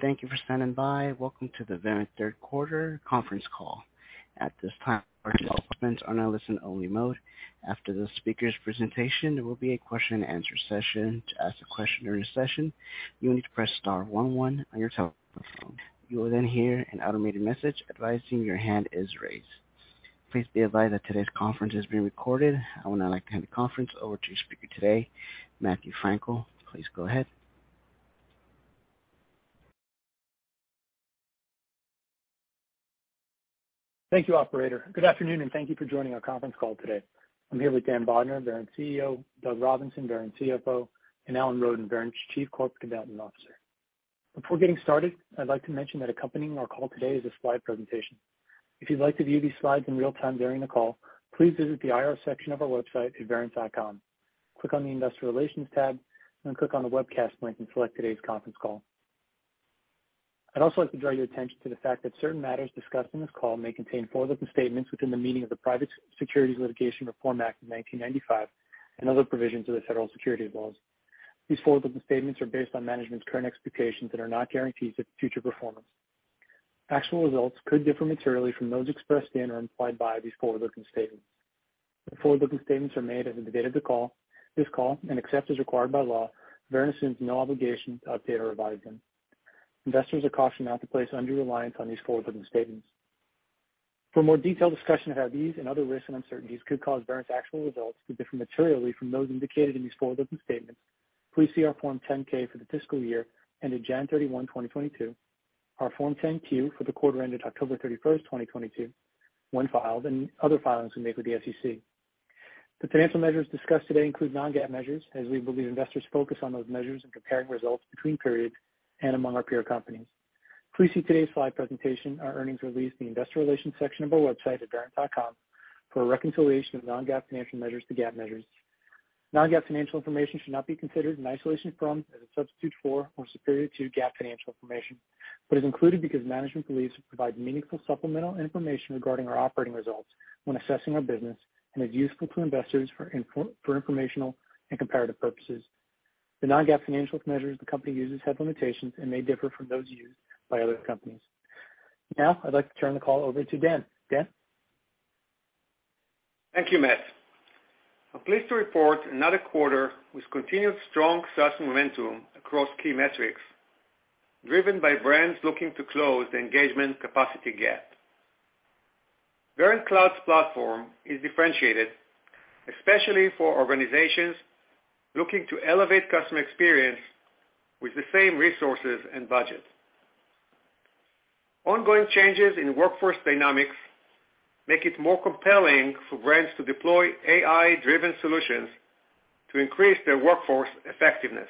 Thank you for standing by. Welcome to the Verint third quarter conference call. At this time, all participants are now listen-only mode. After the speaker's presentation, there will be a question and answer session. To ask a question during the session, you will need to press star one one on your telephone. You will then hear an automated message advising your hand is raised. Please be advised that today's conference is being recorded. I would now like to hand the conference over to your speaker today, Matthew Frankel. Please go ahead. Thank you, operator. Good afternoon, and thank you for joining our conference call today. I'm here with Dan Bodner, Verint CEO, Doug Robinson, Verint CFO, and Alan Roden, Verint's Chief Corporate Investment Officer. Before getting started, I'd like to mention that accompanying our call today is a slide presentation. If you'd like to view these slides in real-time during the call, please visit the IR section of our website at verint.com. Click on the Investor Relations tab, and click on the Webcast link and select today's conference call. I'd also like to draw your attention to the fact that certain matters discussed in this call may contain forward-looking statements within the meaning of the Private Securities Litigation Reform Act of 1995 and other provisions of the federal securities laws. These forward-looking statements are based on management's current expectations and are not guarantees of future performance. Actual results could differ materially from those expressed in or implied by these forward-looking statements. The forward-looking statements are made as of the date of the call, this call, and except as required by law, Verint assumes no obligation to update or revise them. Investors are cautioned not to place undue reliance on these forward-looking statements. For more detailed discussion of how these and other risks and uncertainties could cause Verint's actual results to differ materially from those indicated in these forward-looking statements, please see our Form 10-K for the fiscal year ended January 31, 2022, our Form 10-Q for the quarter ended October 31, 2022, when filed, and other filings we make with the SEC. The financial measures discussed today include non-GAAP measures, as we believe investors focus on those measures in comparing results between periods and among our peer companies. Please see today's slide presentation, our earnings release in the Investor Relations section of our website at verint.com for a reconciliation of non-GAAP financial measures to GAAP measures. Non-GAAP financial information should not be considered in isolation from, as a substitute for, or superior to GAAP financial information, but is included because management believes it will provide meaningful supplemental information regarding our operating results when assessing our business and is useful to investors for informational and comparative purposes. The non-GAAP financial measures the company uses have limitations and may differ from those used by other companies. Now, I'd like to turn the call over to Dan. Dan? Thank you, Matt. I'm pleased to report another quarter with continued strong SaaS momentum across key metrics, driven by brands looking to close the Engagement Capacity Gap. Verint Cloud's platform is differentiated, especially for organizations looking to elevate customer experience with the same resources and budget. Ongoing changes in workforce dynamics make it more compelling for brands to deploy AI-driven solutions to increase their workforce effectiveness.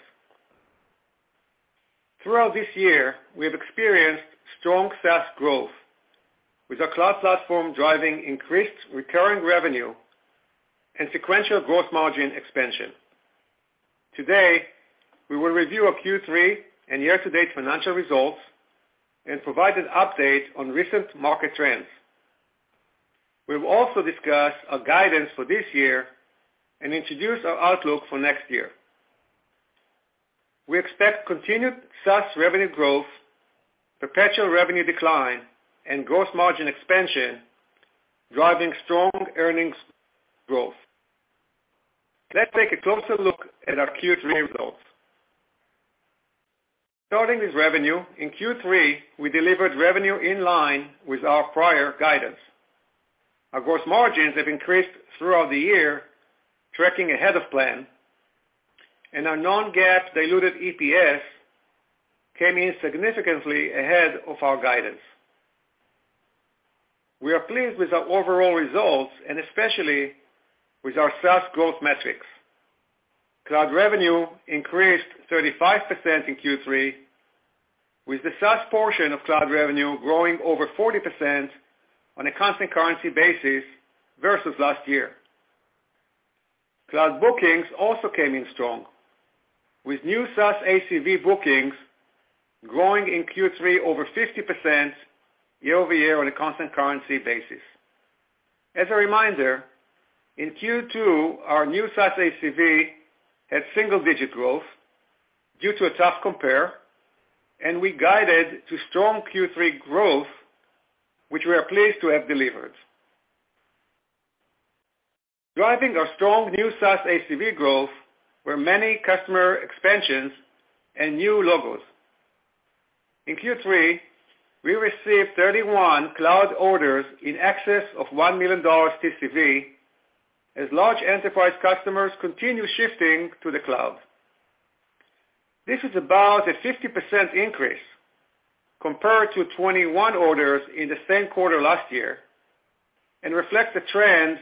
Throughout this year, we have experienced strong SaaS growth, with our cloud platform driving increased recurring revenue and sequential growth margin expansion. Today, we will review our Q3 and year-to-date financial results and provide an update on recent market trends. We will also discuss our guidance for this year and introduce our outlook for next year. We expect continued SaaS revenue growth, perpetual revenue decline, and growth margin expansion, driving strong earnings growth. Let's take a closer look at our Q3 results. Starting with revenue, in Q3, we delivered revenue in line with our prior guidance. Our gross margins have increased throughout the year, tracking ahead of plan, and our non-GAAP diluted EPS came in significantly ahead of our guidance. We are pleased with our overall results and especially with our SaaS growth metrics. Cloud revenue increased 35% in Q3, with the SaaS portion of cloud revenue growing over 40% on a constant currency basis versus last year. Cloud bookings also came in strong, with new SaaS ACV bookings growing in Q3 over 50% year-over-year on a constant currency basis. As a reminder, in Q2, our new SaaS ACV had single-digit growth due to a tough compare, and we guided to strong Q3 growth, which we are pleased to have delivered. Driving our strong new SaaS ACV growth were many customer expansions and new logos. In Q3, we received 31 cloud orders in excess of $1 million TCV as large enterprise customers continue shifting to the cloud. This is about a 50% increase compared to 21 orders in the same quarter last year and reflects the trend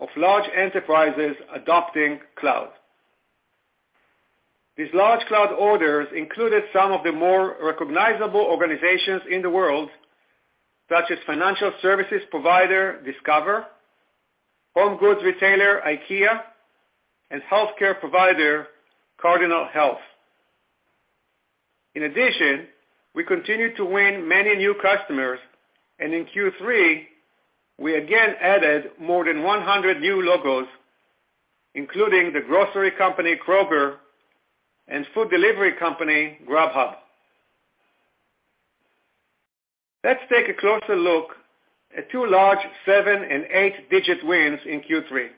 of large enterprises adopting cloud. These large cloud orders included some of the more recognizable organizations in the world, such as financial services provider Discover, home goods retailer IKEA, and healthcare provider Cardinal Health. In addition, we continue to win many new customers, and in Q3, we again added more than 100 new logos, including the grocery company Kroger and food delivery company Grubhub. Let's take a closer look at two large seven and eight-digit wins in Q3.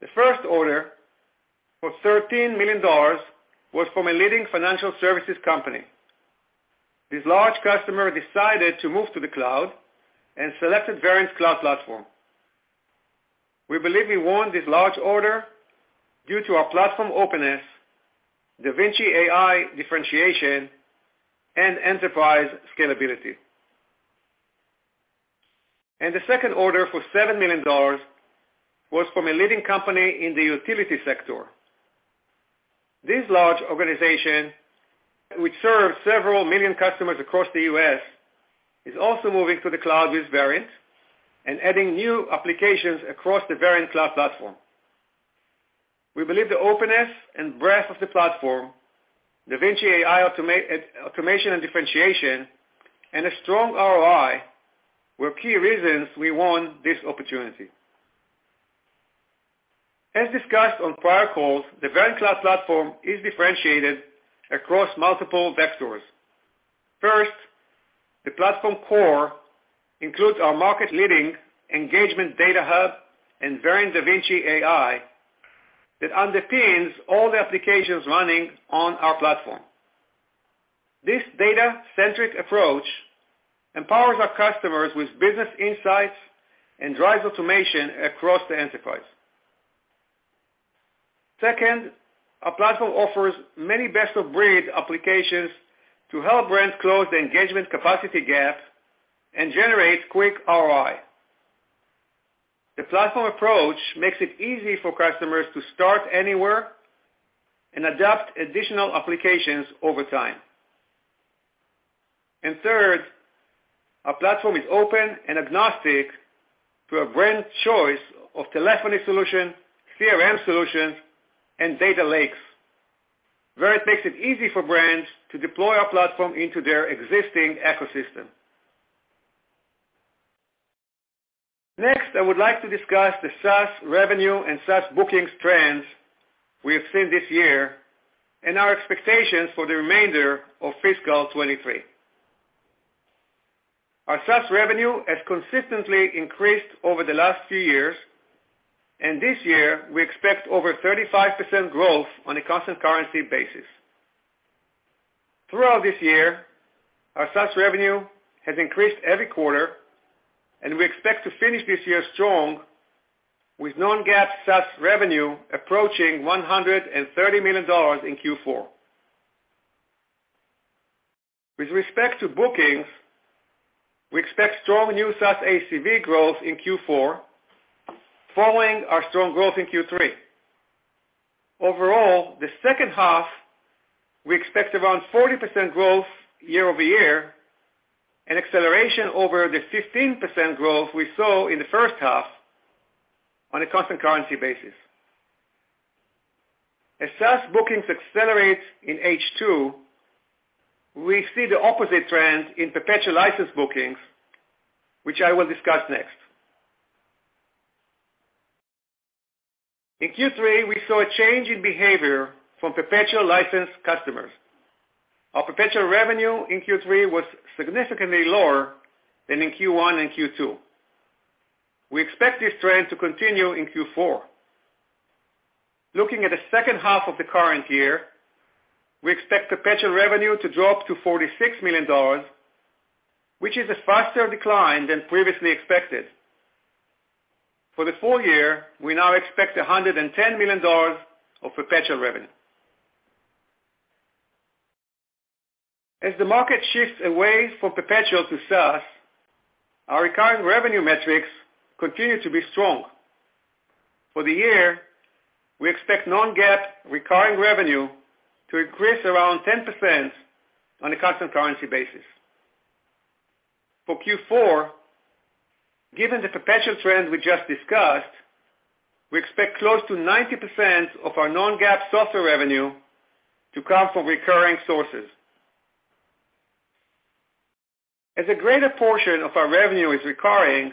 The first order was $13 million, from a leading financial services company. This large customer decided to move to the cloud and selected Verint's Cloud Platform. We believe we won this large order due to our platform openness, DaVinci AI differentiation, and enterprise scalability. The second order for $7 million was from a leading company in the utility sector. This large organization, which serves several million customers across the U.S., is also moving to the cloud with Verint and adding new applications across the Verint Cloud Platform. We believe the openness and breadth of the platform, DaVinci AI automation and differentiation, and a strong ROI were key reasons we won this opportunity. As discussed on prior calls, the Verint Cloud Platform is differentiated across multiple vectors. First, the platform core includes our market-leading Engagement Data Hub and Verint DaVinci AI that underpins all the applications running on our platform. This data-centric approach empowers our customers with business insights and drives automation across the enterprise. Second, our platform offers many best-of-breed applications to help brands close the Engagement Capacity Gap and generate quick ROI. The platform approach makes it easy for customers to start anywhere and adapt additional applications over time. Third, our platform is open and agnostic to a brand's choice of telephony solution, CRM solutions, and data lakes, where it makes it easy for brands to deploy our platform into their existing ecosystem. Next, I would like to discuss the SaaS revenue and SaaS bookings trends we have seen this year and our expectations for the remainder of fiscal year 2023. Our SaaS revenue has consistently increased over the last few years, and this year we expect over 35% growth on a constant currency basis. Throughout this year, our SaaS revenue has increased every quarter, and we expect to finish this year strong with non-GAAP SaaS revenue approaching $130 million in Q4. With respect to bookings, we expect strong new SaaS ACV growth in Q4 following our strong growth in Q3. Overall, the second half, we expect around 40% growth year-over-year, an acceleration over the 15% growth we saw in the first half on a constant currency basis. As SaaS bookings accelerate in H2, we see the opposite trend in perpetual license bookings, which I will discuss next. In Q3, we saw a change in behavior from perpetual license customers. Our perpetual revenue in Q3 was significantly lower than in Q1 and Q2. We expect this trend to continue in Q4. Looking at the second half of the current year, we expect perpetual revenue to drop to $46 million, which is a faster decline than previously expected. For the full-year, we now expect $110 million of perpetual revenue. As the market shifts away from perpetual to SaaS, our recurring revenue metrics continue to be strong. For the year, we expect non-GAAP recurring revenue to increase around 10% on a constant currency basis. For Q4, given the perpetual trends we just discussed, we expect close to 90% of our non-GAAP software revenue to come from recurring sources. As a greater portion of our revenue is recurring,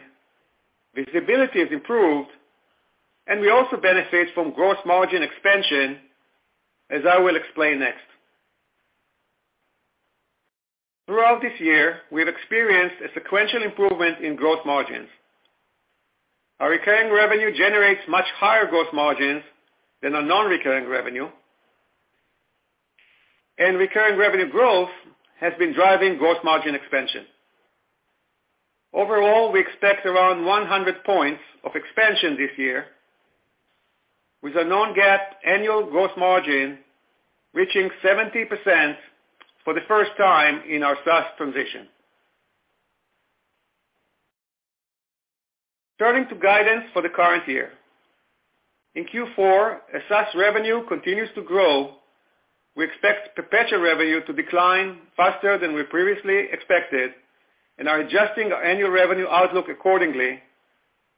visibility is improved, and we also benefit from gross margin expansion, as I will explain next. Throughout this year, we have experienced a sequential improvement in gross margins. Our recurring revenue generates much higher gross margins than a non-recurring revenue. Recurring revenue growth has been driving gross margin expansion. Overall, we expect around 100 points of expansion this year, with a non-GAAP annual gross margin reaching 70% for the first time in our SaaS transition. Turning to guidance for the current year. In Q4, as SaaS revenue continues to grow, we expect perpetual revenue to decline faster than we previously expected and are adjusting our annual revenue outlook accordingly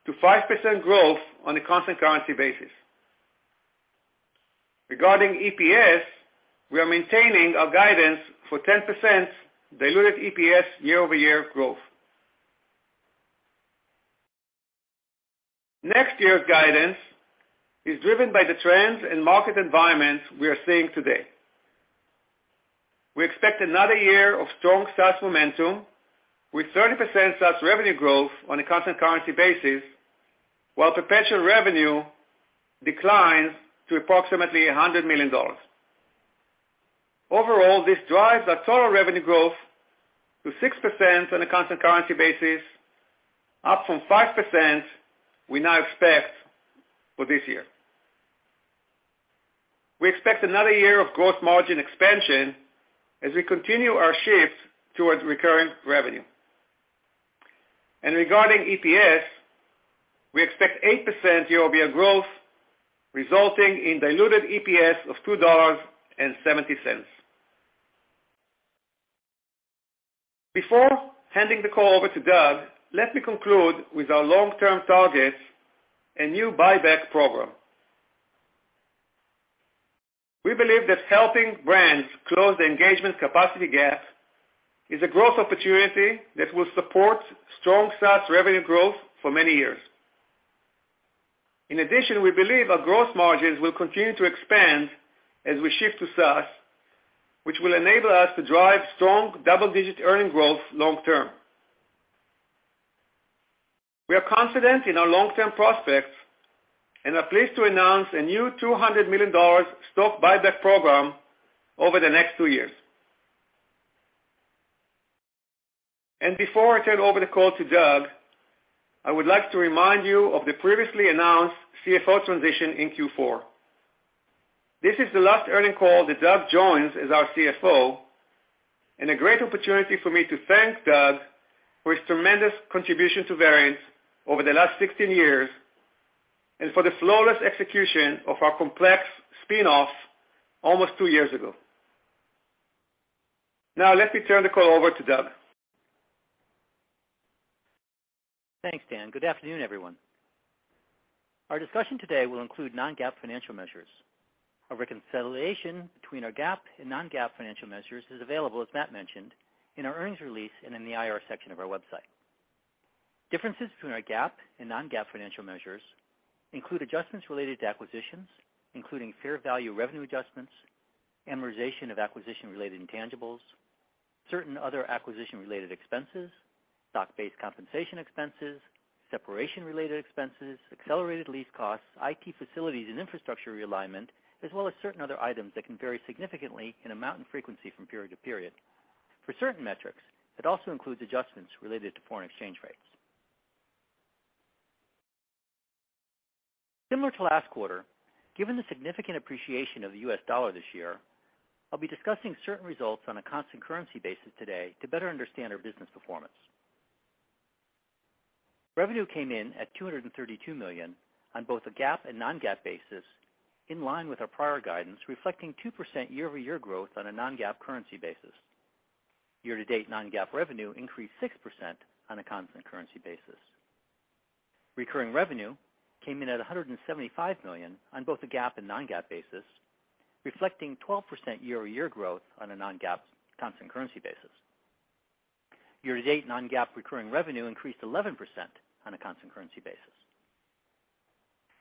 to 5% growth on a constant currency basis. Regarding EPS, we are maintaining our guidance for 10% diluted EPS year-over-year growth. Next year's guidance is driven by the trends and market environments we are seeing today. We expect another year of strong SaaS momentum with 30% SaaS revenue growth on a constant currency basis, while perpetual revenue declines to approximately $100 million. Overall, this drives our total revenue growth to 6% on a constant currency basis, up from 5% we now expect for this year. Regarding EPS, we expect 8% year-over-year growth, resulting in diluted EPS of $2.70. Before handing the call over to Doug, let me conclude with our long-term targets, a new buyback program. We believe that helping brands close the Engagement Capacity Gap is a growth opportunity that will support strong SaaS revenue growth for many years. In addition, we believe our growth margins will continue to expand as we shift to SaaS, which will enable us to drive strong double-digit earning growth long term. We are confident in our long-term prospects and are pleased to announce a new $200 million stock buyback program over the next 2 years. Before I turn over the call to Doug, I would like to remind you of the previously announced CFO transition in Q4. This is the last earning call that Doug joins as our CFO, and a great opportunity for me to thank Doug for his tremendous contribution to Verint over the last 16 years and for the flawless execution of our complex spin-offs almost two years ago. Now, let me turn the call over to Doug. Thanks, Dan. Good afternoon, everyone. Our discussion today will include non-GAAP financial measures. A reconciliation between our GAAP and non-GAAP financial measures is available, as Matt mentioned, in our earnings release and in the IR section of our website. Differences between our GAAP and non-GAAP financial measures include adjustments related to acquisitions, including fair value revenue adjustments, amortization of acquisition-related intangibles, certain other acquisition-related expenses, stock-based compensation expenses, separation-related expenses, accelerated lease costs, IT facilities and infrastructure realignment, as well as certain other items that can vary significantly in amount and frequency from period to period. For certain metrics, it also includes adjustments related to foreign exchange rates. Similar to last quarter, given the significant appreciation of the U.S. dollar this year, I'll be discussing certain results on a constant currency basis today to better understand our business performance. Revenue came in at $232 million on both a GAAP and non-GAAP basis, in line with our prior guidance, reflecting 2% year-over-year growth on a non-GAAP currency basis. Year-to-date non-GAAP revenue increased 6% on a constant currency basis. Recurring revenue came in at $175 million on both a GAAP and non-GAAP basis, reflecting 12% year-over-year growth on a non-GAAP constant currency basis. Year-to-date non-GAAP recurring revenue increased 11% on a constant currency basis.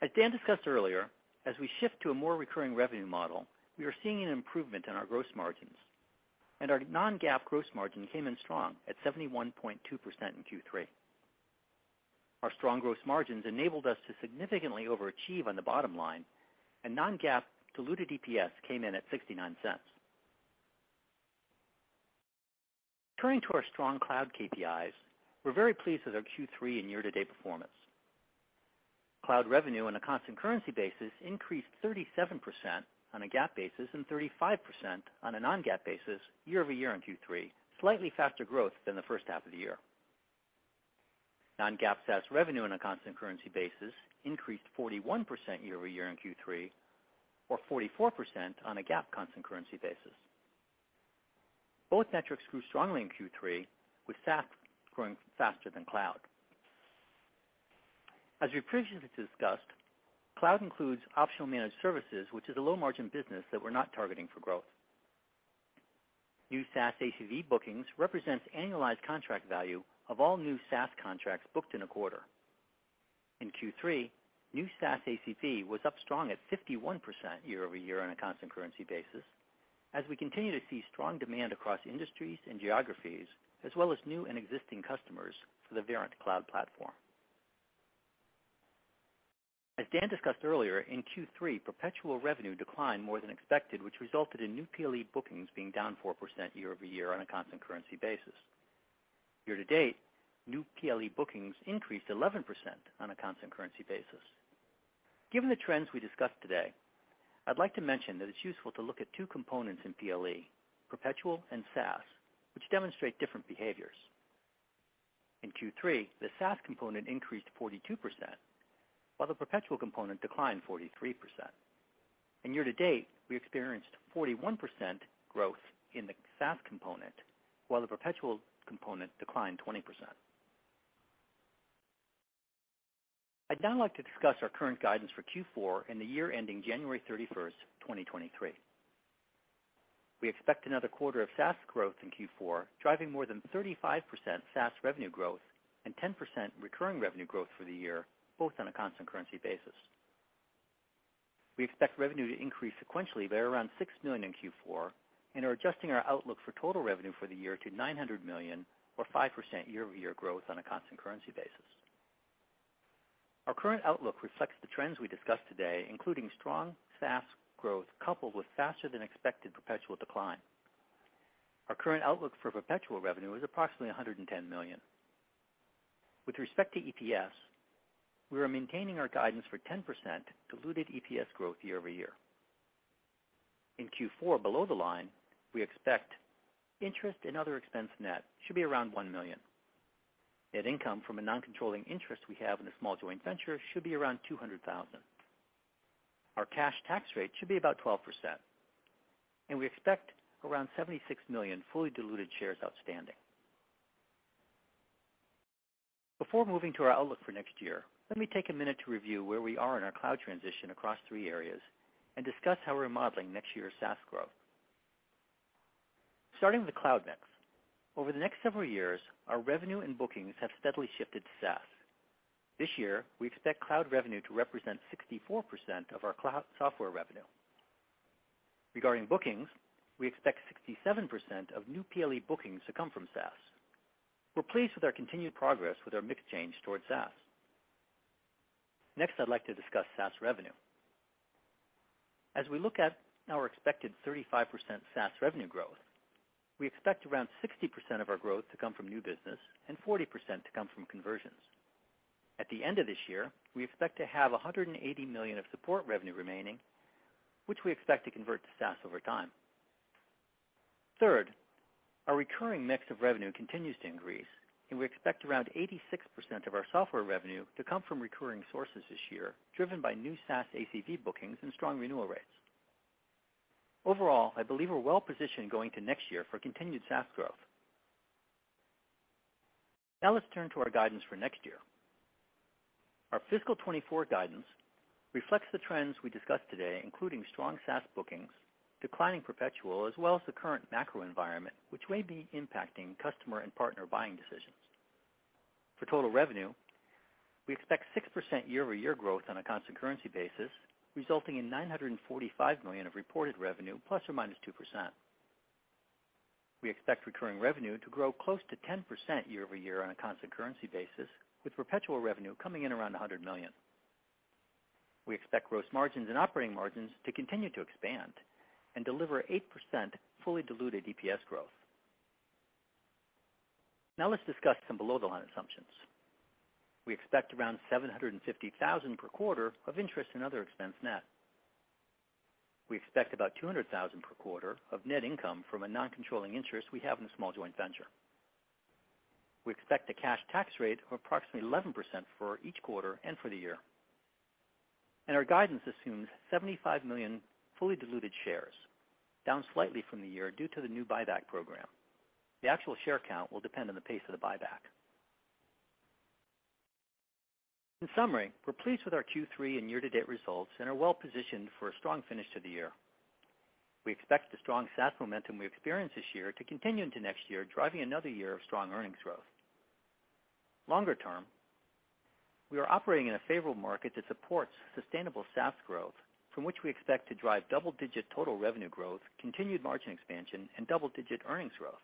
As Dan discussed earlier, as we shift to a more recurring revenue model, we are seeing an improvement in our gross margins, and our non-GAAP gross margin came in strong at 71.2% in Q3. Our strong gross margins enabled us to significantly overachieve on the bottom line, non-GAAP diluted EPS came in at $0.69. Turning to our strong cloud KPIs, we're very pleased with our Q3 and year-to-date performance. Cloud revenue on a constant currency basis increased 37% on a GAAP basis and 35% on a non-GAAP basis year-over-year in Q3, slightly faster growth than the first half of the year. Non-GAAP SaaS revenue on a constant currency basis increased 41% year-over-year in Q3, or 44% on a GAAP constant currency basis. Both metrics grew strongly in Q3, with SaaS growing faster than cloud. As we previously discussed, cloud includes optional managed services, which is a low-margin business that we're not targeting for growth. New SaaS ACV bookings represents annualized contract value of all new SaaS contracts booked in a quarter. In Q3, new SaaS ACV was up strong at 51% year-over-year on a constant currency basis as we continue to see strong demand across industries and geographies, as well as new and existing customers for the Verint Cloud Platform. As Dan discussed earlier, in Q3, perpetual revenue declined more than expected, which resulted in new PLE bookings being down 4% year-over-year on a constant currency basis. Year-to-date, new PLE bookings increased 11% on a constant currency basis. Given the trends we discussed today, I'd like to mention that it's useful to look at two components in PLE, perpetual and SaaS, which demonstrate different behaviors. In Q3, the SaaS component increased 42%, while the perpetual component declined 43%. Year-to-date, we experienced 41% growth in the SaaS component, while the perpetual component declined 20%. I'd now like to discuss our current guidance for Q4 and the year ending January 31, 2023. We expect another quarter of SaaS growth in Q4, driving more than 35% SaaS revenue growth and 10% recurring revenue growth for the year, both on a constant currency basis. We expect revenue to increase sequentially by around $6 million in Q4 and are adjusting our outlook for total revenue for the year to $900 million or 5% year-over-year growth on a constant currency basis. Our current outlook reflects the trends we discussed today, including strong SaaS growth coupled with faster than expected perpetual decline. Our current outlook for perpetual revenue is approximately $110 million. With respect to EPS, we are maintaining our guidance for 10% diluted EPS growth year-over-year. In Q4, below the line, we expect interest and other expense net should be around $1 million. Net income from a non-controlling interest we have in a small joint venture should be around $200,000. Our cash tax rate should be about 12%. We expect around 76 million fully diluted shares outstanding. Before moving to our outlook for next year, let me take a minute to review where we are in our cloud transition across three areas and discuss how we're modeling next year's SaaS growth. Starting with the cloud mix. Over the next several years, our revenue and bookings have steadily shifted to SaaS. This year, we expect cloud revenue to represent 64% of our cloud software revenue. Regarding bookings, we expect 67% of new PLE bookings to come from SaaS. We're pleased with our continued progress with our mix change towards SaaS. Next, I'd like to discuss SaaS revenue. As we look at our expected 35% SaaS revenue growth, we expect around 60% of our growth to come from new business and 40% to come from conversions. At the end of this year, we expect to have $180 million of support revenue remaining, which we expect to convert to SaaS over time. Third, our recurring mix of revenue continues to increase, and we expect around 86% of our software revenue to come from recurring sources this year, driven by new SaaS ACV bookings and strong renewal rates. Overall, I believe we're well positioned going to next year for continued SaaS growth. Let's turn to our guidance for next year. Our fiscal year 2024 guidance reflects the trends we discussed today, including strong SaaS bookings, declining perpetual, as well as the current macro environment, which may be impacting customer and partner buying decisions. For total revenue, we expect 6% year-over-year growth on a constant currency basis, resulting in $945 million of reported revenue ±2%. We expect recurring revenue to grow close to 10% year-over-year on a constant currency basis, with perpetual revenue coming in around $100 million. We expect gross margins and operating margins to continue to expand and deliver 8% fully diluted EPS growth. Let's discuss some below-the-line assumptions. We expect around $750,000 per quarter of interest and other expense net. We expect about $200,000 per quarter of net income from a non-controlling interest we have in a small joint venture. We expect a cash tax rate of approximately 11% for each quarter and for the year. Our guidance assumes 75 million fully diluted shares, down slightly from the year due to the new buyback program. The actual share count will depend on the pace of the buyback. In summary, we're pleased with our Q3 and year-to-date results and are well positioned for a strong finish to the year. We expect the strong SaaS momentum we experienced this year to continue into next year, driving another year of strong earnings growth. Longer term, we are operating in a favorable market that supports sustainable SaaS growth from which we expect to drive double-digit total revenue growth, continued margin expansion, and double-digit earnings growth.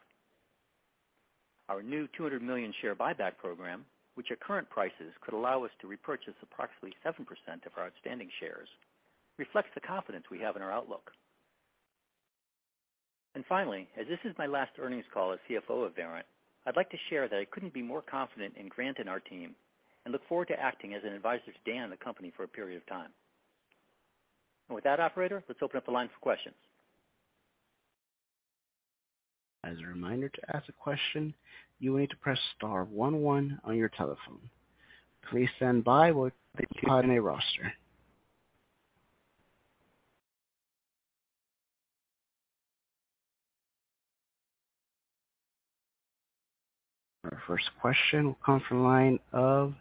Our new 200 million share buyback program, which at current prices could allow us to repurchase approximately 7% of our outstanding shares, reflects the confidence we have in our outlook. Finally, as this is my last earnings call as CFO of Verint, I'd like to share that I couldn't be more confident in Grant and our team, and look forward to acting as an advisor to Dan and the company for a period of time. With that, operator, let's open up the line for questions. As a reminder to ask a question, you will need to press star one one on your telephone. Please stand by while I begin the roster. Our first question will come from the line of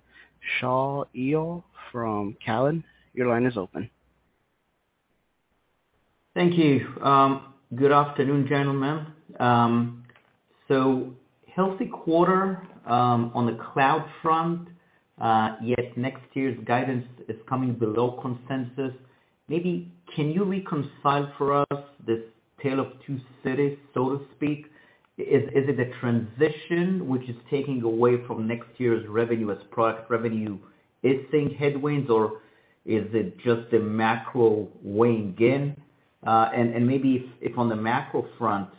Shaul Eyal from Cowen. Your line is open. Thank you. Good afternoon, gentlemen. Healthy quarter on the cloud front. Yet next year's guidance is coming below consensus. Maybe can you reconcile for us this tale of two cities, so to speak? Is it a transition which is taking away from next year's revenue as product revenue is seeing headwinds, or is it just a macro weighing in? Maybe if on the macro front,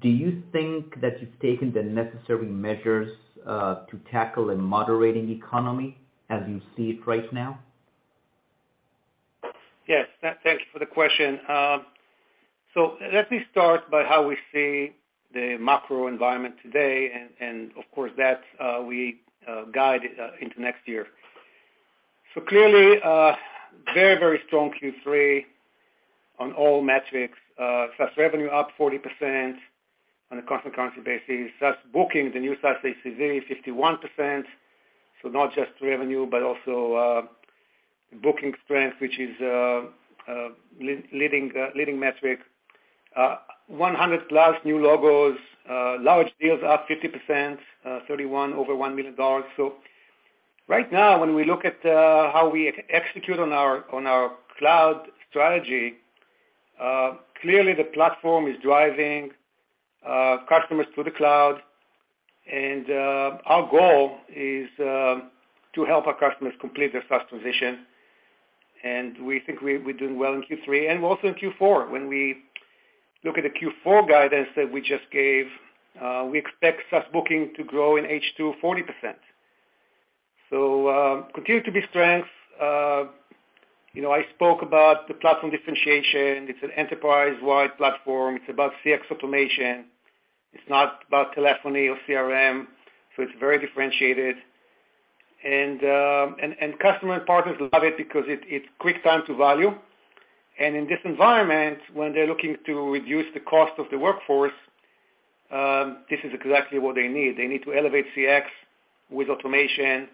do you think that you've taken the necessary measures to tackle a moderating economy as you see it right now? Yes. Thanks for the question. Let me start by how we see the macro environment today and of course, that's, we guide into next year. Clearly, very strong Q3 on all metrics. SaaS revenue up 40% on a constant currency basis. SaaS booking, the new SaaS ACV, 51%. Not just revenue, but also booking strength, which is a leading metric. 100+ new logos, large deals up 50%, 31 over $1 million. Right now when we look at how we execute on our cloud strategy, clearly the platform is driving customers to the cloud. Our goal is to help our customers complete their SaaS transition. We think we're doing well in Q3 and also in Q4. When we look at the Q4 guidance that we just gave, we expect SaaS booking to grow in H2 40%. Continue to be strength. You know, I spoke about the platform differentiation. It's an enterprise-wide platform. It's about CX automation. It's not about telephony or CRM, so it's very differentiated. Customer and partners love it because it's quick time to value. In this environment, when they're looking to reduce the cost of the workforce, this is exactly what they need. They need to elevate CX with automation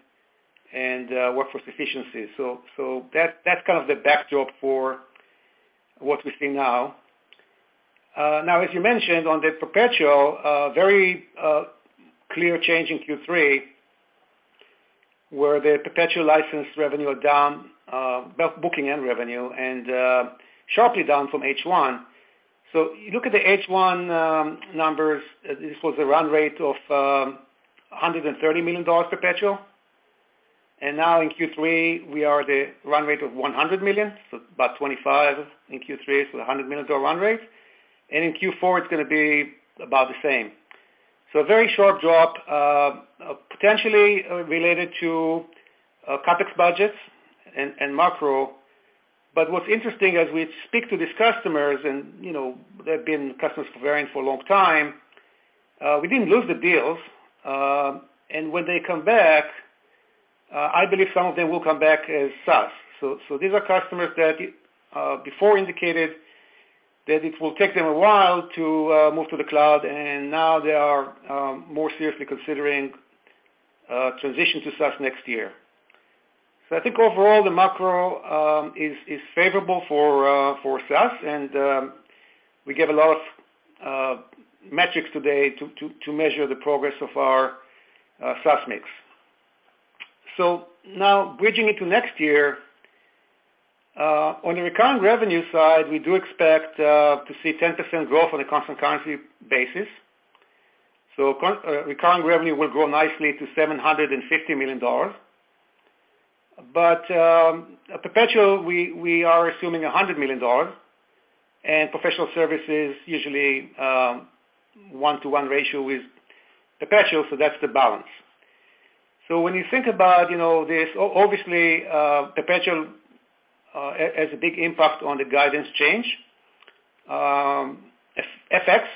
and workforce efficiency. That's kind of the backdrop for what we see now. Now, as you mentioned on the perpetual, very clear change in Q3, where the perpetual license revenue are down, both booking and revenue and sharply down from H1. You look at the H1 numbers, this was a run rate of $130 million perpetual. Now in Q3 we are the run rate of $100 million, so about $25 in Q3, so a $100 million run rate. In Q4 it's gonna be about the same. A very sharp drop, potentially, related to CapEx budgets and macro. What's interesting as we speak to these customers and you know, they've been customers for Verint for a long time, we didn't lose the deals. When they come back, I believe some of them will come back as SaaS. These are customers that, before indicated that it will take them a while to move to the cloud, and now they are more seriously considering transition to SaaS next year. I think overall the macro is favorable for SaaS and we give a lot of metrics today to measure the progress of our SaaS mix. Now bridging into next year, on the recurring revenue side, we do expect to see 10% growth on a constant currency basis. Recurring revenue will grow nicely to $750 million. Perpetual, we are assuming $100 million and professional services usually, 1:1 ratio with perpetual, so that's the balance. When you think about, you know, this obviously, perpetual has a big impact on the guidance change. FX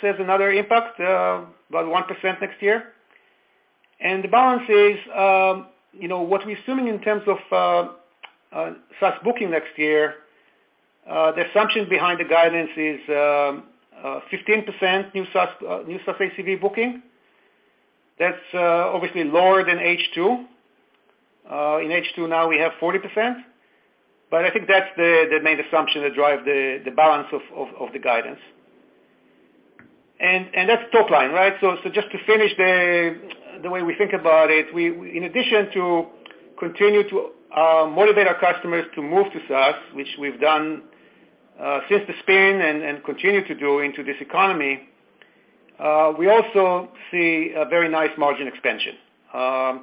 has another impact, about 1% next year. The balance is, you know, what we're assuming in terms of SaaS booking next year. The assumption behind the guidance is 15% new SaaS ACV booking. That's obviously lower than H2. In H2 now we have 40%, but I think that's the main assumption that drives the balance of the guidance. That's top line, right? Just to finish the way we think about it, in addition to continue to motivate our customers to move to SaaS, which we've done since the spin and continue to do into this economy, we also see a very nice margin expansion. Q3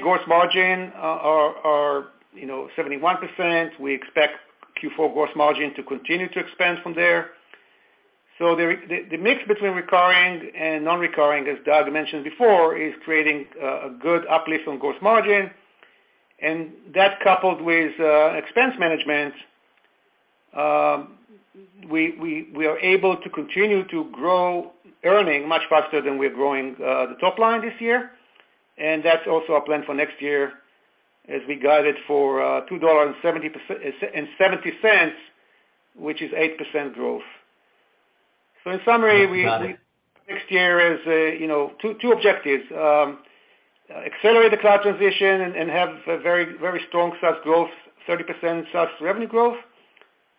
gross margin are, you know, 71%. We expect Q4 gross margin to continue to expand from there. The mix between recurring and non-recurring, as Doug mentioned before, is creating a good uplift on gross margin. That coupled with expense management, we are able to continue to grow earning much faster than we're growing the top line this year. That's also our plan for next year as we guide it for $2.70, which is 8% growth. In summary, we- Got it. Next year is, you know, two objectives. Accelerate the cloud transition and have a very strong SaaS growth, 30% SaaS revenue growth,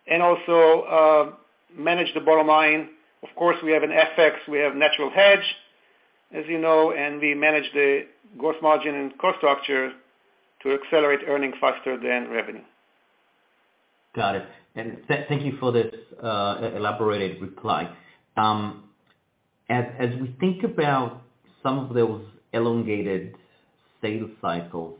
and also manage the bottom line. Of course, we have an FX, we have natural hedge, as you know, and we manage the gross margin and cost structure to accelerate earnings faster than revenue. Got it. Thank you for this elaborated reply. As we think about some of those elongated sales cycles,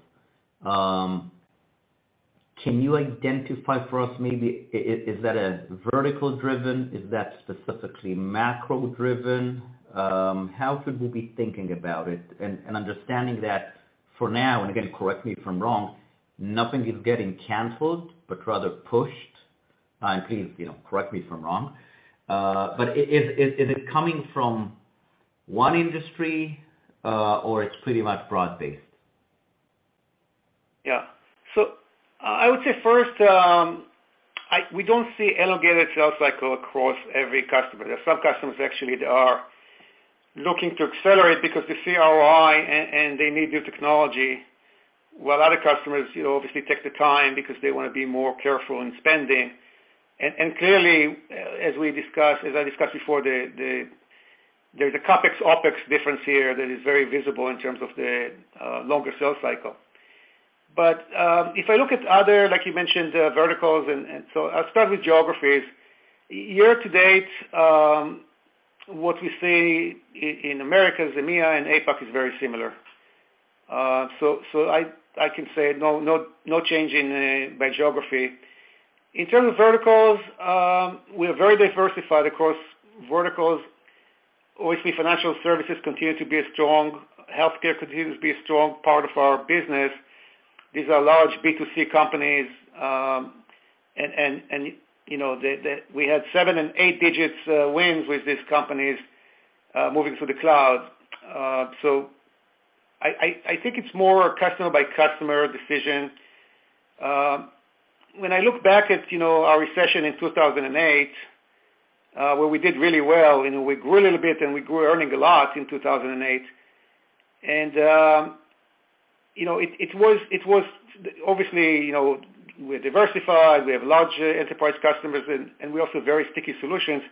can you identify for us maybe is that a vertical driven? Is that specifically macro driven? How should we be thinking about it and understanding that for now, and again, correct me if I'm wrong, nothing is getting canceled, but rather pushed. Please, you know, correct me if I'm wrong. Is it coming from one industry, or it's pretty much broad-based? Yeah. We don't see elongated sales cycle across every customer. There are some customers actually that are looking to accelerate because the CRI and they need new technology, while other customers, you know, obviously take the time because they wanna be more careful in spending. Clearly, as we discussed, as I discussed before, there's a CapEx OpEx difference here that is very visible in terms of the longer sales cycle. If I look at other, like you mentioned, verticals and I'll start with geographies. Year to date, what we see in Americas, EMEA and APAC is very similar. I can say no change by geography. In terms of verticals, we are very diversified across verticals. Obviously, financial services continue to be a strong, healthcare continues to be a strong part of our business. These are large B2C companies, and, you know, the seven and eight digits wins with these companies moving to the cloud. I, I think it's more customer by customer decision. When I look back at, you know, our recession in 2008, where we did really well and we grew a little bit, and we grew earning a lot in 2008. You know, it was, it was obviously, you know, we're diversified, we have large enterprise customers and we offer very sticky solutions.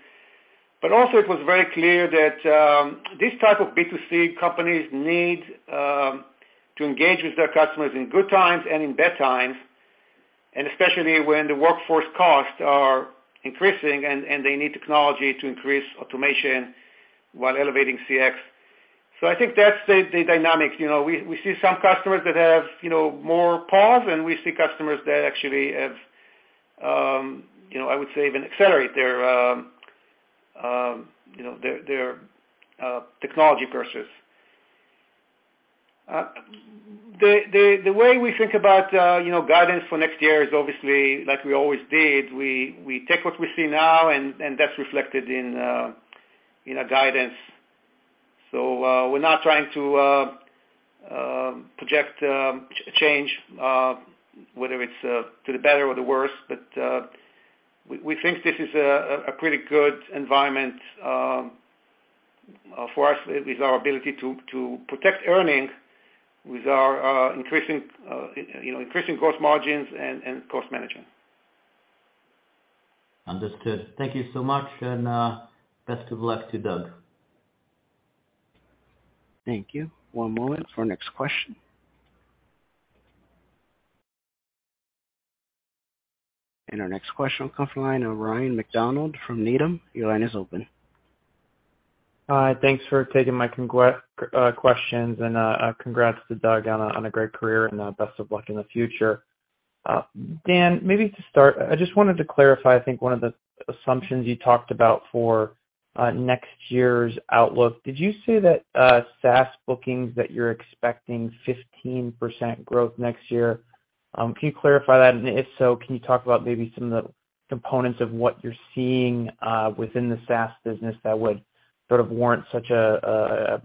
Also it was very clear that these type of B2C companies need to engage with their customers in good times and in bad times, and especially when the workforce costs are increasing and they need technology to increase automation while elevating CX. I think that's the dynamics. You know, we see some customers that have, you know, more pause, and we see customers that actually have, I would say even accelerate their technology purchases. The way we think about, you know, guidance for next year is obviously like we always did. We, we take what we see now and that's reflected in our guidance. We're not trying to project change whether it's to the better or the worse. We think this is a pretty good environment, for us with our ability to protect earnings with our increasing, you know, increasing gross margins and cost management. Understood. Thank you so much. Best of luck to Doug. Thank you. One moment for our next question. Our next question will come from the line of Ryan MacDonald from Needham. Your line is open. Hi. Thanks for taking my questions. Congrats to Doug on a great career and best of luck in the future. Dan, maybe to start, I just wanted to clarify, I think one of the assumptions you talked about for next year's outlook. Did you say that SaaS bookings that you're expecting 15% growth next year? Can you clarify that? If so, can you talk about maybe some of the components of what you're seeing within the SaaS business that would sort of warrant such a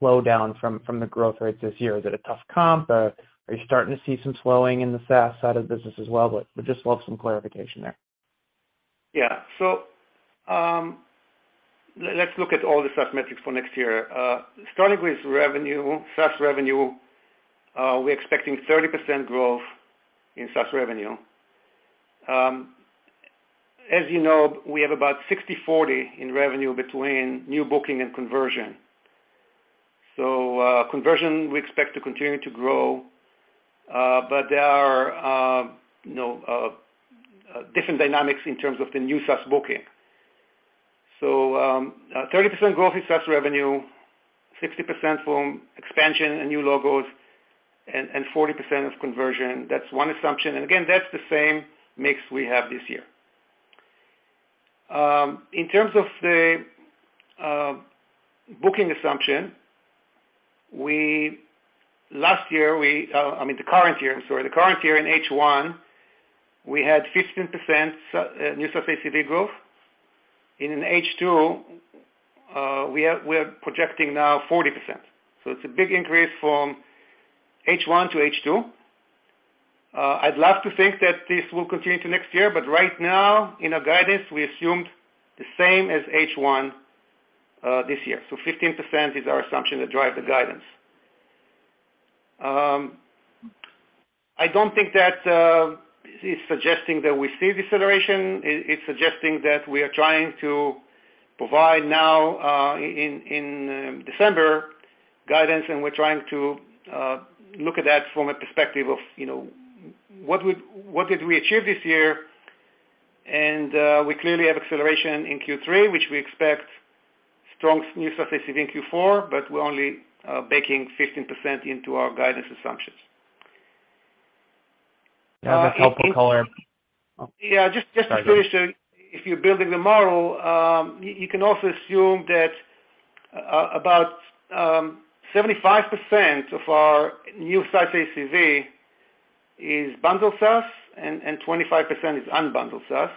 slowdown from the growth rates this year? Is it a tough comp? Are you starting to see some slowing in the SaaS side of the business as well? Would just love some clarification there. Let's look at all the SaaS metrics for next year. Starting with revenue, SaaS revenue, we're expecting 30% growth in SaaS revenue. As you know, we have about 60/40 in revenue between new booking and conversion. Conversion, we expect to continue to grow, but there are, you know, different dynamics in terms of the new SaaS booking. 30% growth is SaaS revenue, 60% from expansion and new logos, and 40% is conversion. That's one assumption. Again, that's the same mix we have this year. In terms of the booking assumption, last year, I mean, the current year, I'm sorry. The current year in H1, we had 15% new SaaS ACV growth. In H2, we are projecting now 40%. It's a big increase from H1 to H2. I'd love to think that this will continue to next year, but right now in our guidance, we assumed the same as H1 this year. 15% is our assumption that drive the guidance. I don't think that it's suggesting that we see deceleration. It's suggesting that we are trying to provide now in December guidance, and we're trying to look at that from a perspective of, you know, what did we achieve this year. We clearly have acceleration in Q3, which we expect strong new SaaS ACV in Q4, but we're only baking 15% into our guidance assumptions. Yeah. That's helpful color. Oh. Yeah. Just to finish- Sorry, go ahead. If you're building the model, you can also assume that about 75% of our new SaaS ACV is bundled SaaS and 25% is Unbundled SaaS.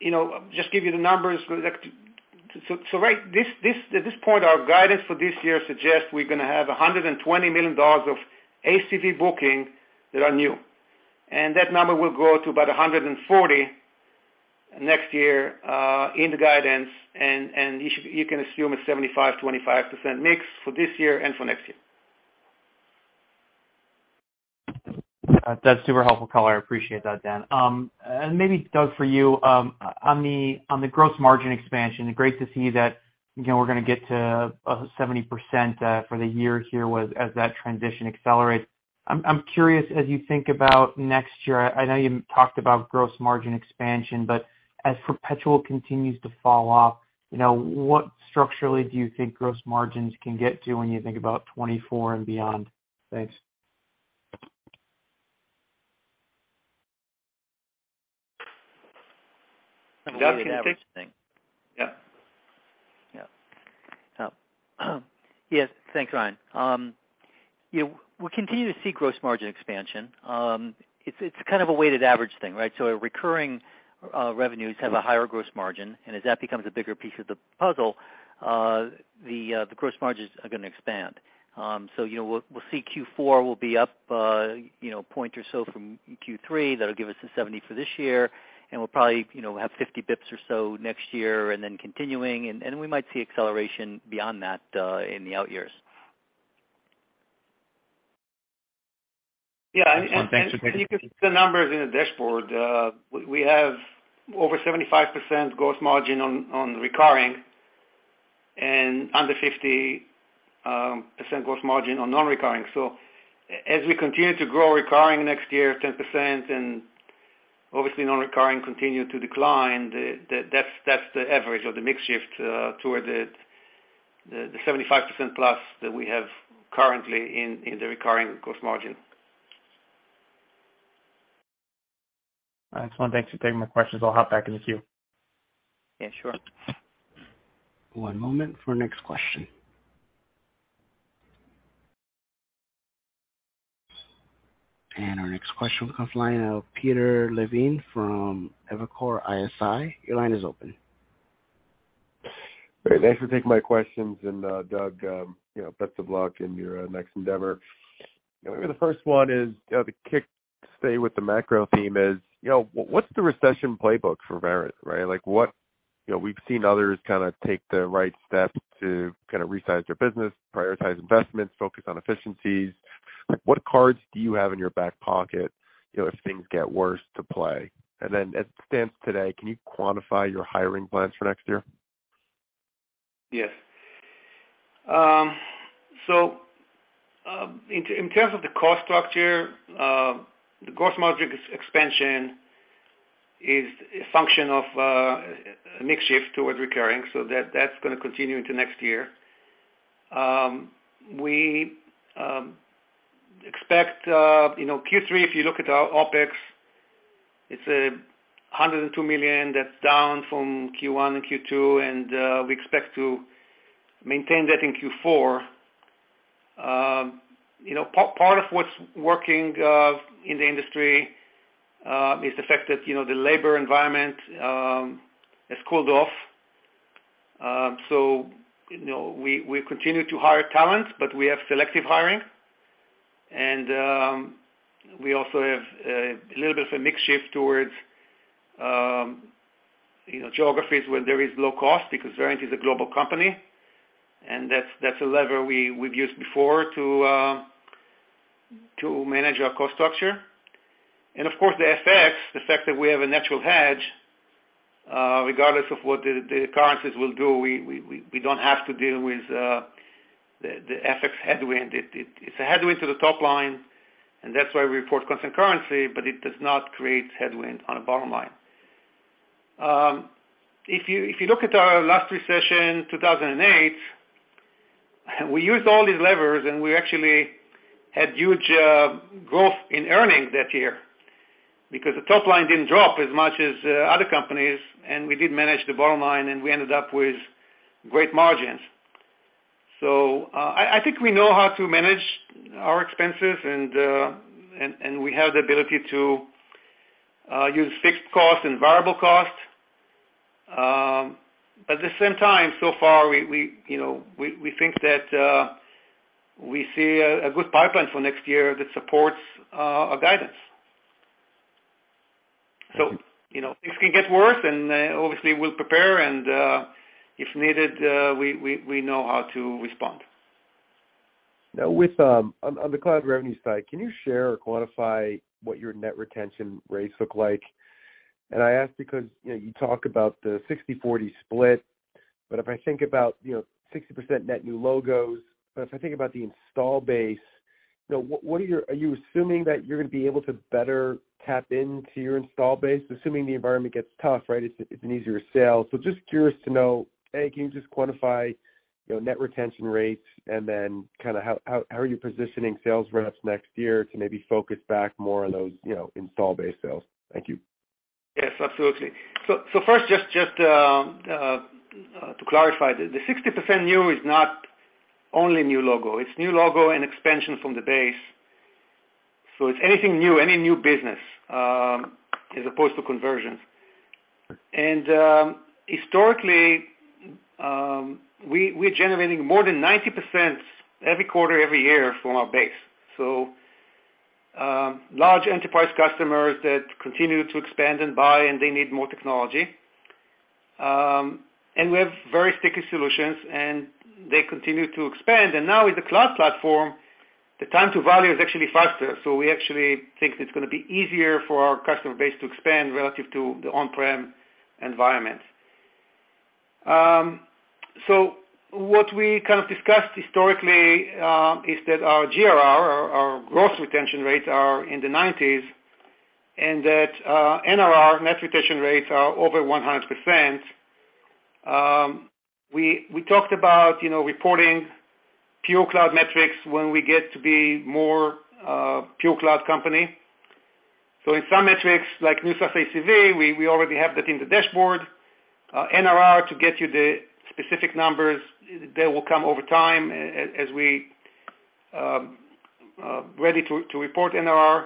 You know, just give you the numbers, at this point, our guidance for this year suggests we're gonna have $120 million of ACV booking that are new. That number will grow to about $140 million next year in the guidance, and you can assume a 75%-25% mix for this year and for next year. That's super helpful color. I appreciate that, Dan. Maybe, Doug, for you, on the, on the gross margin expansion, great to see that, you know, we're gonna get to, 70%, for the year here as that transition accelerates. I'm curious, as you think about next year, I know you talked about gross margin expansion, but as perpetual continues to fall off, you know, what structurally do you think gross margins can get to when you think about 2024 and beyond? Thanks. Doug, can you- Yeah. Yes, thanks, Ryan. You know, we'll continue to see gross margin expansion. It's, it's kind of a weighted average thing, right? Our recurring revenues have a higher gross margin, and as that becomes a bigger piece of the puzzle, the gross margins are gonna expand. You know, we'll see Q4 will be up, you know, 1 percentage point or so from Q3. That'll give us a 70% for this year, and we'll probably, you know, have 50 basis points or so next year and then continuing, and we might see acceleration beyond that in the out years. Yeah. Thanks for taking- If you could see the numbers in the dashboard, we have over 75% gross margin on recurring and under 50% gross margin on non-recurring. As we continue to grow recurring next year 10% and obviously non-recurring continue to decline, that's the average or the mix shift toward the 75%+ that we have currently in the recurring gross margin. All right. Thanks for taking my questions. I'll hop back in the queue. Yeah, sure. One moment for next question. Our next question comes line of Peter Levine from Evercore ISI. Your line is open. Great. Thanks for taking my questions. Doug, you know, best of luck in your next endeavor. You know, maybe the first one is, you know, the kick, say, with the macro theme is, you know, what's the recession playbook for Verint, right? Like, what? You know, we've seen others kind of take the right steps to kind of resize their business, prioritize investments, focus on efficiencies. Like, what cards do you have in your back pocket, you know, if things get worse to play? Then as it stands today, can you quantify your hiring plans for next year? Yes. In terms of the cost structure, the gross margin expansion is a function of a mix shift towards recurring, so that's gonna continue into next year. We expect, you know, Q3, if you look at our OpEx, it's $102 million. That's down from Q1 and Q2. We expect to maintain that in Q4. You know, part of what's working in the industry is the fact that, you know, the labor environment has cooled off. You know, we continue to hire talent, but we have selective hiring. We also have a little bit of a mix shift towards, you know, geographies where there is low cost because Verint is a global company, and that's a lever we've used before to manage our cost structure. Of course, the FX, the fact that we have a natural hedge, regardless of what the currencies will do, we don't have to deal with the FX headwind. It's a headwind to the top line, and that's why we report constant currency, but it does not create headwind on our bottom line. If you, if you look at our last recession, 2008, we used all these levers, and we actually had huge growth in earnings that year because the top line didn't drop as much as other companies, and we did manage the bottom line, and we ended up with great margins. I think we know how to manage our expenses and we have the ability to use fixed costs and variable costs. At the same time, so far we, you know, we think that we see a good pipeline for next year that supports our guidance. You know, things can get worse, and obviously we'll prepare and, if needed, we know how to respond. Now with on the cloud revenue side, can you share or quantify what your net retention rates look like? I ask because, you know, you talk about the 60/40 split, but if I think about, you know, 60% net new logos, but if I think about the install base, you know, are you assuming that you're gonna be able to better tap into your install base, assuming the environment gets tough, right? It's, it's an easier sale. Just curious to know, A, can you just quantify, you know, net retention rates and then kinda how are you positioning sales reps next year to maybe focus back more on those, you know, install base sales? Thank you. Yes, absolutely. First, to clarify. The 60% new is not only new logo. It's new logo and expansion from the base. It's anything new, any new business, as opposed to conversions. Historically, we're generating more than 90% every quarter, every year from our base. Large enterprise customers that continue to expand and buy, and they need more technology. We have very sticky solutions, and they continue to expand. Now with the Verint Cloud Platform, the time to value is actually faster. We actually think it's gonna be easier for our customer base to expand relative to the on-prem environment. What we kind of discussed historically, is that our GRR, our gross retention rate are in the 90s, and that NRR, net retention rates, are over 100%. We talked about, you know, reporting pure cloud metrics when we get to be more pure cloud company. In some metrics, like new SaaS ACV, we already have that in the dashboard. NRR, to get you the specific numbers, they will come over time as we ready to report NRR.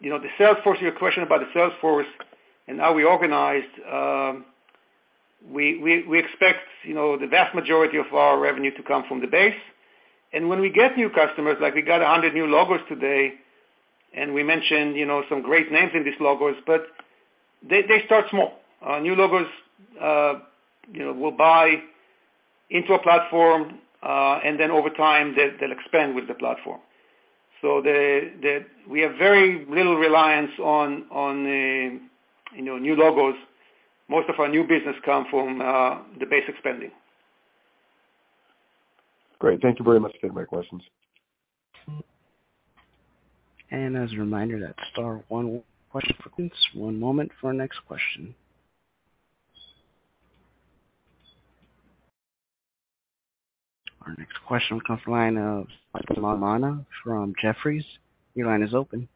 You know, the Salesforce, your question about the Salesforce and how we organized, we expect, you know, the vast majority of our revenue to come from the base. When we get new customers, like we got 100 new logos today, we mentioned, you know, some great names in these logos, but they start small. New logos, you know, will buy into a platform, over time they'll expand with the platform. The we have very little reliance on, you know, new logos. Most of our new business come from, the base expanding. Great. Thank you very much for taking my questions. As a reminder, that's star one, question for conference. One moment for our next question. Our next question comes from the line of Mike Lamanna from Jefferies. Your line is open.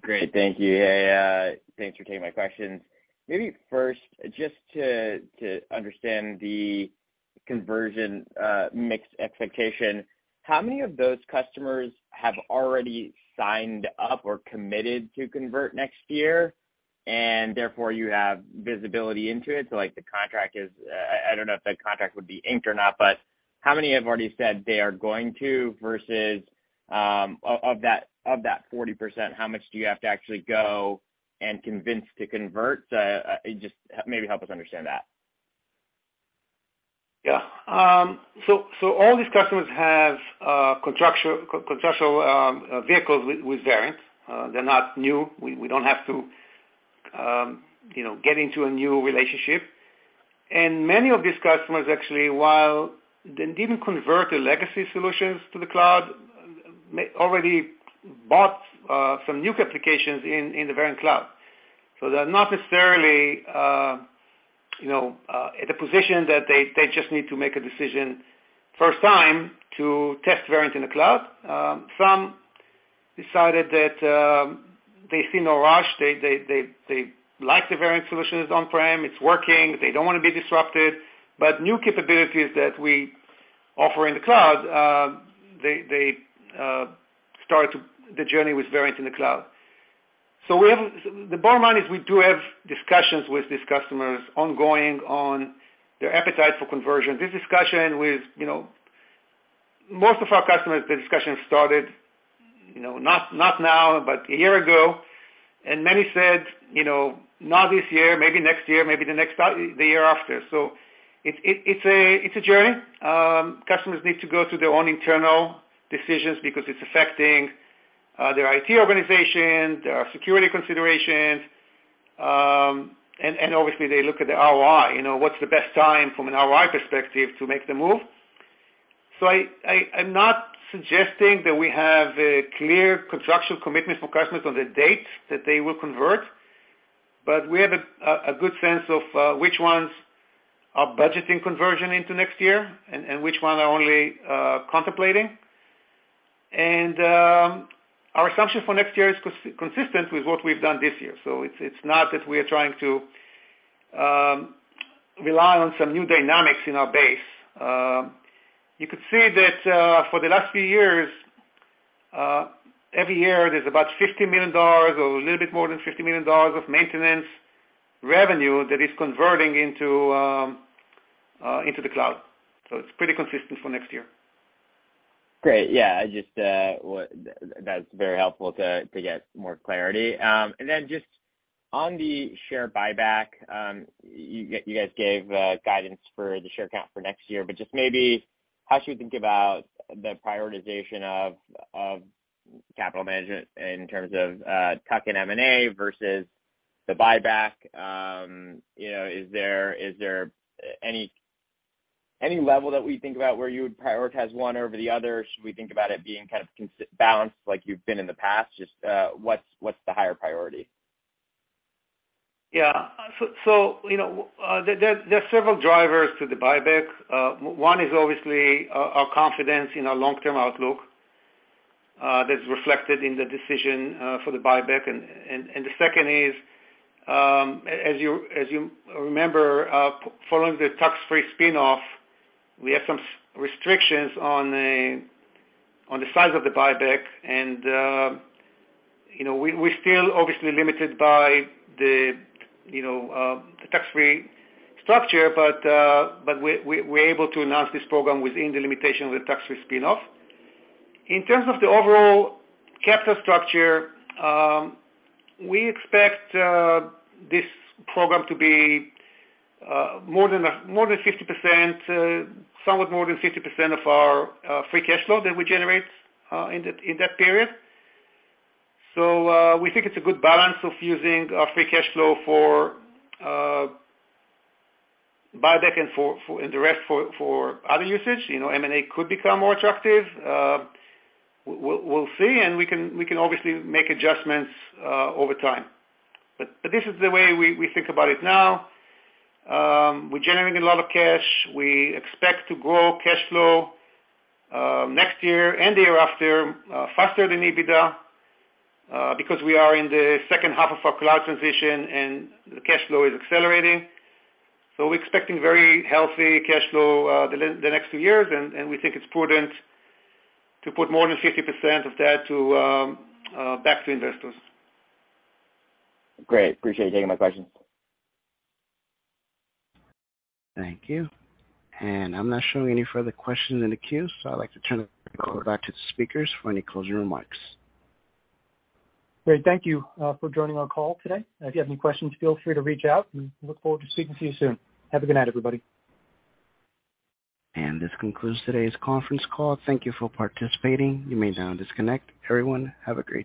Great. Thank you. Yeah, thanks for taking my questions. Maybe first, just to understand the conversion mix expectation, how many of those customers have already signed up or committed to convert next year, and therefore you have visibility into it? Like the contract is, I don't know if the contract would be inked or not. How many have already said they are going to versus of that 40%, how much do you have to actually go and convince to convert? Just maybe help us understand that. All these customers have contractual vehicles with Verint. They're not new. We don't have to, you know, get into a new relationship. Many of these customers actually, while they didn't convert the legacy solutions to the cloud, already bought some new applications in the Verint Cloud. They're not necessarily, you know, at a position that they just need to make a decision first time to test Verint in the Cloud. Some decided that they see no rush. They like the Verint solutions on-prem, it's working, they don't wanna be disrupted. New capabilities that we offer in the Cloud, they start the journey with Verint in the Cloud. The bottom line is we do have discussions with these customers ongoing on their appetite for conversion. This discussion with, you know, most of our customers, the discussion started, you know, not now, but a year ago. Many said, you know, "Not this year, maybe next year, maybe the year after." It's a journey. Customers need to go through their own internal decisions because it's affecting their IT organization, their security considerations, and obviously they look at the ROI. You know, what's the best time from an ROI perspective to make the move? I'm not suggesting that we have a clear contractual commitment from customers on the date that they will convert, but we have a good sense of which ones are budgeting conversion into next year and which ones are only contemplating. Our assumption for next year is consistent with what we've done this year. It's not that we are trying to rely on some new dynamics in our base. You could see that for the last few years, every year there's about $50 million or a little bit more than $50 million of maintenance revenue that is converting into the cloud. It's pretty consistent for next year. Great. Yeah. That's very helpful to get more clarity. Then just on the share buyback, you guys gave guidance for the share count for next year, but just maybe how should we think about the prioritization of capital management in terms of tuck-in M&A versus the buyback? You know, is there any level that we think about where you would prioritize one over the other? Should we think about it being kind of balanced like you've been in the past? Just what's the higher priority? Yeah. You know, there are several drivers to the buyback. One is obviously our confidence in our long-term outlook, that's reflected in the decision for the buyback. The second is, as you remember, following the tax-free spin-off, we have some restrictions on the size of the buyback and, you know, we still obviously limited by the, you know, the tax-free structure, but we're able to announce this program within the limitation of the tax-free spin-off. In terms of the overall capital structure, we expect this program to be more than 50%, somewhat more than 50% of our free cash flow that we generate in that period. We think it's a good balance of using our free cash flow for buyback and for other usage. You know, M&A could become more attractive. We'll see. We can obviously make adjustments over time. This is the way we think about it now. We're generating a lot of cash. We expect to grow cash flow next year and the year after faster than EBITDA because we are in the second half of our cloud transition, and the cash flow is accelerating. We're expecting very healthy cash flow the next two years. We think it's prudent to put more than 50% of that back to investors. Great. Appreciate you taking my question. Thank you. I'm not showing any further questions in the queue. I'd like to turn it over back to the speakers for any closing remarks. Great. Thank you, for joining our call today. If you have any questions, feel free to reach out. Look forward to speaking to you soon. Have a good night, everybody. This concludes today's conference call. Thank you for participating. You may now disconnect. Everyone, have a great day.